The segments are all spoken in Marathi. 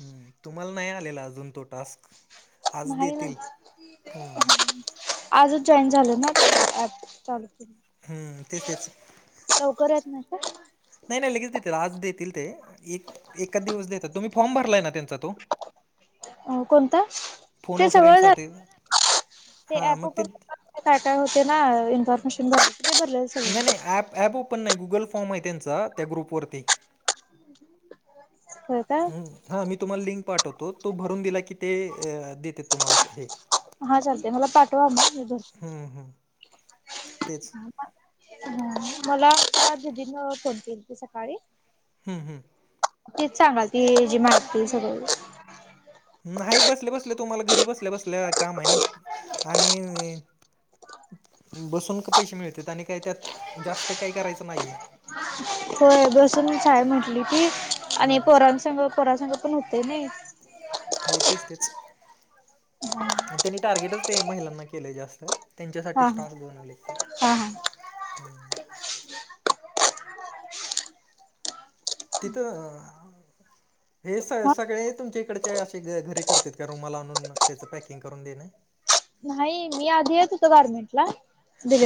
हम्म तुम्हाला नाही आलेला अजून तो टास्क? आज नाही ना. देतील हम्म आजच जॉईन झालो ना ऍप चालू हम्म तेच तेच. लवकर येत नाय का? नाही नाही लगेच देतात आज देतील ते एक एका दिवस देतात तुम्ही फॉर्म भरलाय ना त्यांचा तो? अह कोणता फोन ते अ सगळं फ्रेंडसाठी झालं ते हां ऍप मग ओपन [unintelligible] ते काय काय होते ना इन्फॉर्मेशन. [unintelligible] नाही नाही सगळं ऍप ऍप ओपन नाही गुगल फॉर्म आहे त्यांचा त्या ग्रुपवररती ह् होय का? हम्म हा मी तुम्हाला लिंक पाठवतो तो भरून दिला की ते अह दे त्यात तुम्हाला हे. चालतंय मला पाठवा हा मग मी का? भरते हम्म हम्म. तेच हा हम्म मला दीदीनं फोन केलती सकाळी हम्म हम्म. तीच सांगती जी माहिती सगळ नाही बसले बसले तुम्हाला घरी बसल्या बसल्या काम आहे ना आणि बसून का पैसे मिळत्यात आणि काय त्यात जास्त काही करायचं नाहीये होय बसून साय म्हंटली ती आणि हम्म पोरांसग पोरासग पण होते नाही हो तेच तेच त्यांनी टार्गेटच ते महिलांना केलंय जास्त त्यांच्यासाठी हा हा स्टॉक घेऊन आलेत ते हा हा तिथं हे स हा सगळे तुमच्या इकडचे असे घ घरी करते का रुमाला आणून त्याचं पॅकिंग करून देणं. नाही मी आधी येत होत गारमेंटला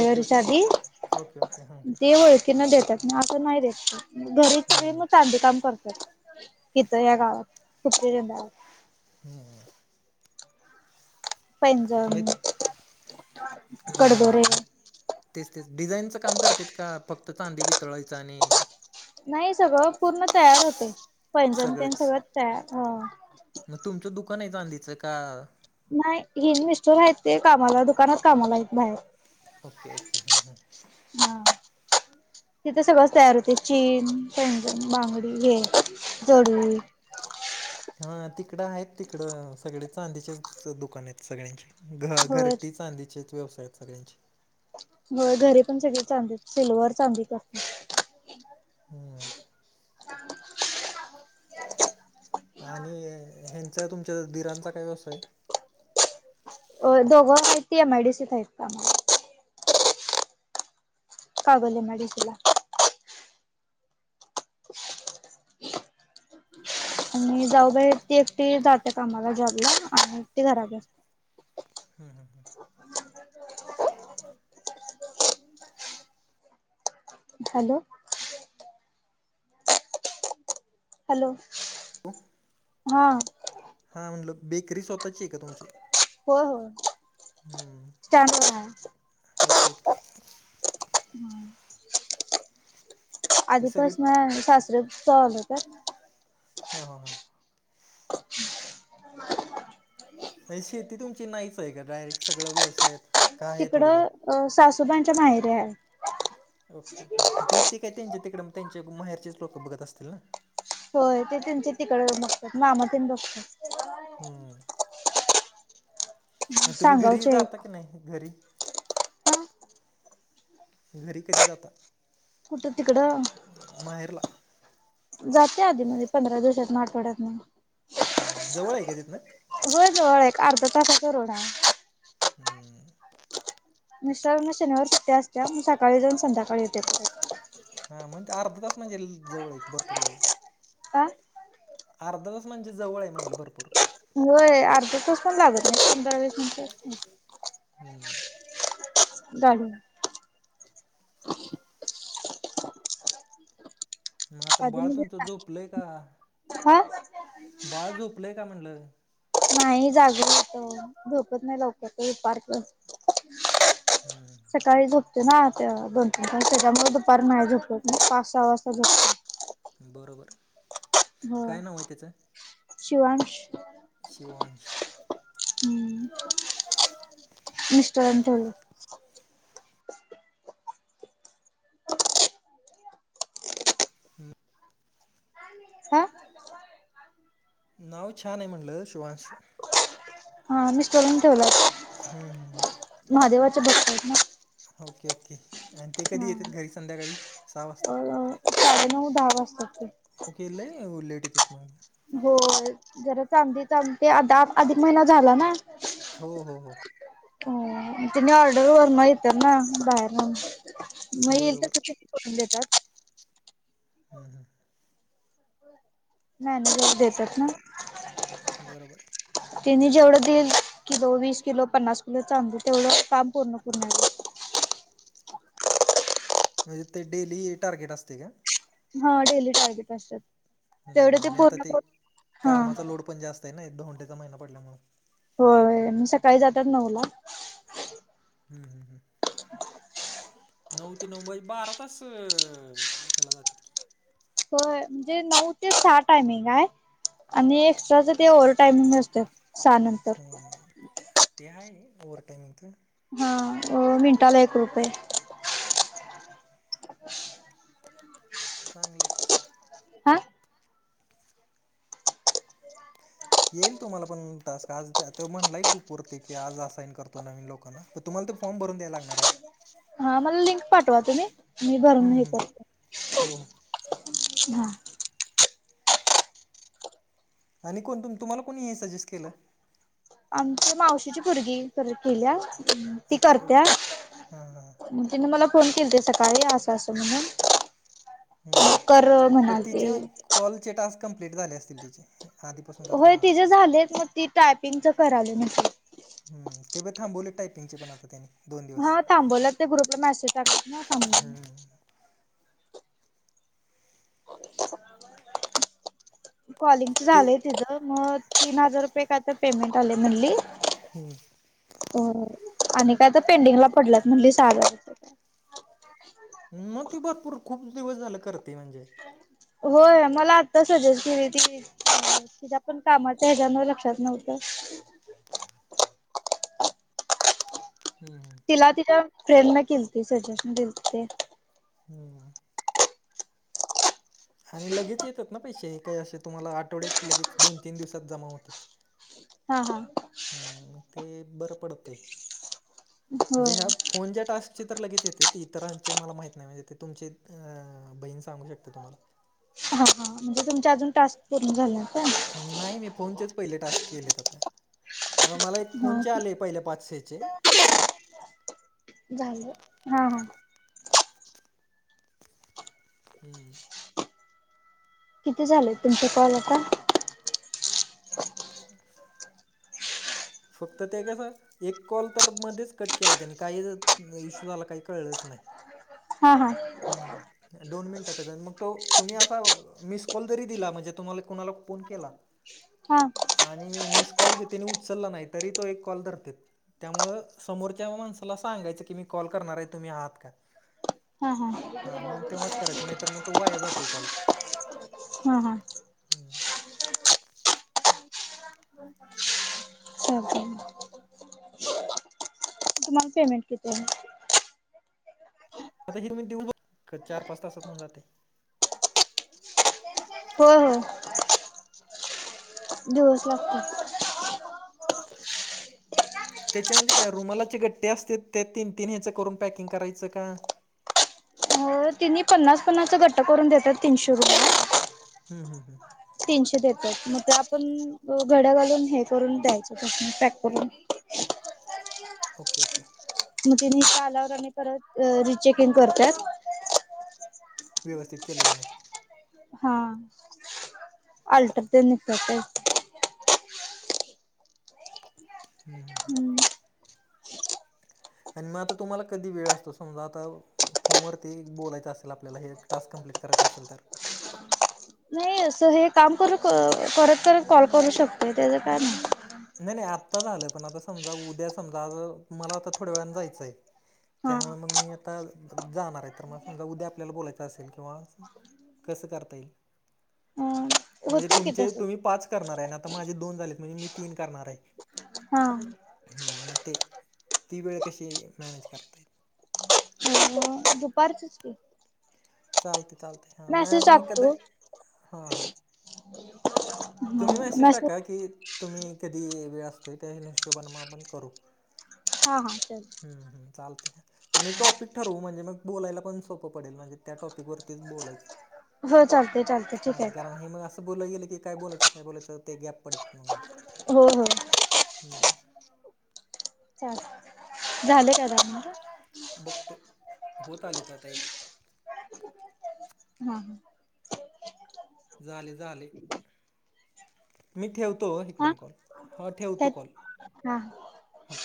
ओके ओके आधी [unintelligible] ओके ओके हां त्यांना देतात म असं नाही देत घरी हां मग चांदी काम करतात हित या गावात [unintelligible] ह मी पैंजम कडदोरे हां तेच तेच डिझाईनचं काम करत्यात का फक्त चांदी वितळायचं आणि नाही सगळं पूर्ण तयार होते पैजण त्यानं सगळंच सगळं तयार ह तुमचं दुकान आहे चांदीच का नाही हे मिस्टर आहेत ते कामाला दुकानात कामाला आहेत बाहेर ओके ओके हा हा. तिथे सगळंच तयार होते चेन, पैजण, बांगडी हे जोडवी हा तिकडं आहेत तिकडं सगळे चांदीचे दुकान आहेत सगळ्यांचे घ होय घरटी चांदीचेच व्यवसाय आहेत सगळ्यांचे हो घरी पण सगळे चांदीत सिल्वर चांदीच असते. हम्म. आणि ह्यांचा तुमच्या दिरांचा काय व्यवसाय आहे. दोघं टी एम आय डीसी आहेत कामला. कागले म तला आणि जाऊबा ती एकटी जाते कामाला जॉब ला आणि ती घरातते हम् हम हम. हॅलो! हॅलो! हो. हा. हा म्हणलं बेकरी स्वतःची आहे का तुमची.. हो हो. हम् ओके ओके. हे सगळी आधीपासन सास्रचा आलं होत.. हा हा ह. नाही शेती तुमची नाहीच आहे का डायरेक्ट सगळं व्यवसायत. तिकडं सासूबांच्या माहेरे आहे. ओके ओके ते काय त्यांचे तिकडें मग त्यांचे माहेरचेच लोकं बघत असतील ना. होय ते त्यांचे तिकड बघतात मामात बघतात. हम्म मग तुम्ही घरी सांगावचे जाता आहेत. की नाही घरी. हा घरी कधी जातात. खुठं तिकडं. माहेरला. जाते आधीमध्ये पंधरा दिवसात म आठवाड्यात मग. जवळ आहे काय तिथ ना हो जवळ एक अर्धा तासाचा रोड आहे. हम्म. मिस्टर म शनिवार सुट्या असत्या मग सकाळी जाऊन संध्याकाळी येत. हा म्हणजे अर्ध तास म्हणजे जवळ एक भरपूर जवळ. का? अर्धा तास म्हणजे जवळ आहे म्हटलं भरपूर. हो अर्ध्या तास पण लागत नाही पंधरा वीस मिनंट. हम्म. जाडी. मग आता आधी बाळ मी तुमचं झोपलय का, हा बाळ झोपलंय का म्हणलं. नाही जाग होत झोकत नाही लवकत पारकर.. हम्म. सकाळी झुपते ना दोन तीन त्याच्यामुळे दुपार नाही झपत पाच सहा वाजता झपत बरोबर. हो काय नाव आहे त्याचं? शिवांश. शिवांश हम्म मिस् तंतल. हम हा नाव छान आहे म्हणलं शिवांश. हा मी स्टोलन बोलतो. हम्म हम् भक्त आहेत ओके ओके. आणि ते कधी ना येतात घरी संध्याकाळी सहा वाजता? हा साडे नऊ दहा वाजता. ओके इ ल ललेट येत म मागे हो जरा चांगली चांलते आ अधिक महिना झाला ना हो हो हो हो तिने ऑर्डर वरण येतात ना बाहेरून मग येईल बरोबर. तसं टेनि करून देतात. हम् हम नाही नाही ल देतात ना बरोबर तिने जेवढं देईल किलो वीस किलो पन्नास किलो चांू तेवढं काम पूर्ण पूर्ण म्हणजे ते डेली टार्गेट असते का? हा डेली टार्गेट असतात. तेवढे हम् आणि आता ते पूर्ण हा कामाचा लोड पण जास्त आहे ना एक दोंटेचा महिना पडल्यामुळे होय मग सकाळी जातात नऊला. हम् हम् हम नऊ ते नऊ बाज बारा तास हे्याला जातील. की. होय म्हणजे नऊ ते चहा टायमिंग आहे. आणि एक्स्ट्राचं ते ओवर टाइमिंग नसतय सहा नंतर ते आहे ओवर्हवर टायमिंगचं हा मिनटाला एक रुपये. [unintelligible] चांगलकी. हा येईल तुम्हाला पण तास्क आज तो म्हणलाय ग्रुपवरती की आज असाईन करतो नवीन लोकांना प तुम्हाला ते फॉर् भरून द्या लाणार आ ते हा मला लिंक पाठवा तुम्ही मी भरून हम्म हे हम्म. करत हो हो हा. आणि कोण तुम्हाला कोणी हे सजेस्ट केलं. आमच्या मावशीची भरगी केल्या ती ओके करत्या. ओके. हां हां म्हणजे मला फोन केली ते सकाळी असं असं म्हणून हम्म कर पण म्हणाते. तिचे कॉलचे टास्क कं्प्लीट झाले असतील तचे हे होय तिच झालेत मग ती टायपिंगच करालोय म्हणली. हम् तेव्हा थांबवले टायपिंगचे पण आता त्यांनी हा थांबवला ते ग्रुपला मेसेज टाकत ना सां हम्म कॉलिंगच ते झालंय तिचं मग तीन हजार रुपये काय तर पेमेंट आलं म्हणली. हम्म हो आणि काय तर पेंडिंगला पडलंत म्हणली साल मग ते भरपूर खूप दिवस झालं करते म्हणजे होय मला आत्ता सजेस्ट केली ती तिच्या पण कामाच्या ह्याच्याानवर लक्षात नव्हतं. हम्म तिला तिच्या फ्रेंड न केल्ती सजेशन दिलं त ते. हम्म आणि लगेच येतात ना पैसे काही असे तुम्हाला आठवड्यात लगेच दोन तीन दिवसात जमा होते. हा हा हम्म ते बरं पडत हो म्हणजे ह्या कोण ज्या टास्कची तर लगेच येते त इतरांचे मला माहीत नाही म्हणजे ते तुमचे बहीण सांगू शकते तुम्हाला हा हा म्हणजे तुमच्या अजून टास्क पूर्ण झालं का? नाही मी फोनचेच पहिले टास्क केलेत आता अ मला एक हा फोनचे आले पहिले पाचशेचे. [inaudible] झाल हा- हा. हम्म. किती झालंय तुमचा कॉल आता ह [inaudible] फक्त ते कस? एक कॉल तर मध्येच कट केला त्यांनी काही इश्यू झाला काही कळलंच नाही. हम हा. हम् दोन मिनिटचा जा मग तो तुम्ही असा. मिस कॉल तरी दिला म्हणजे तुम्हाला कुणाला फोन केला. हा. आणि मिस कॉल घेते आणि उचलला नाही तरी तो एक कॉल धरते. त्यामुळ समोरच्या माणसाला सांगायचं की मी कॉल करणार आहे तुम्ही आहात का? हा हा. हा मग तेव्हाच करायचं नाही तर मग तो वाया जातोय कॉल. हम हा. चालतंय. तुम्हाला पेमेंट किती आहे. आताऊ चार पाच तासात होऊन जाते. हो हो. दिवस लागतात. त्याच्या म्हणजे काय रुमालाचे गट्टे असते ते तीन तीन ह्याचं करून पॅकिंग करायचं का? तिही पन्नास पन्नासचा घट्ट करून देतात तीनशे रुपये. हम् हम् हम्. तीनशे देतात म्ह आपण घड्या घालून हे करून द्यायचं त पॅक करून ओके ओके. मग तिने शालावर आणि परत रिचेक इन करतात. व्यवस्थित केले ग नाही. हा अल्टर ते नितते. हम हम ह. आणि मग आता तुम्हाला कधी वेळ असतो समजा आता फोनवरती बोलायचं असेल आपल्याला हे टास् कं्प्लीट करायचं असेल तर अस हे काम करू करत करत कॉल करू शकतोय त्याचं का नाही. नाही नाही आत्ता झालं पण आता समजा उद्या समजा आ मला आता थोड्या वेळान जायचं आहे. हा. त्यामुळे मग मी आता जाणार आहे तर मग समजा उद्या आपल्याला बोलायचं असेल किंवा कसं करता येईल. अ म्हणजे होतं की तुमचे तसं तुम्ही पाच करणार आहे आता माझे दोन झालेत म्हणजे मी तीन करणार आहे. हा. ह म तीिवेळ कशी मॅनेज करतायेत. दुपारचच के चालते चालते हा म आपण कध टाकतो हा हा. [unintelligible] तुम्ही मेसेज टाका कि तुम्ही कधी वेळ असतोय त्या हशोबान आपण करू. [unintelligible] हा हा. हम्म हम चालतेय. आणि टॉपिक ठरवू म्हणजे मग बोलायला पण सोपं पडेल म्हणजे त्या टॉपिक वरतीच बोलायचं. हो चालतंय- चालतंय ठीक हा आहे. कारण हे मग असं बोललं गे की काय बलायचं काय बोयं ते गॅप पडयचं मग ते हो हो. हम्म. चहा झालं का [unintelligible] बगतो होत आलेत आता एक हा हं झाले झाले. मी ठेवतो हा हीकडून कॉल हा ठेवतो त्यात कॉल हा हा